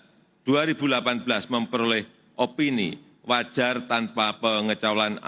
alhamdulillah laporan keuangan pemerintah pusat dua ribu enam belas dua ribu delapan belas memperoleh opini wajar tanpa pengecaulan atau wtp